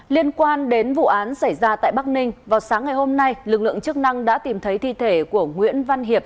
liên quan đến vụ án xảy ra tại bắc ninh vào sáng ngày hôm nay lực lượng chức năng đã tìm thấy thi thể của nguyễn văn hiệp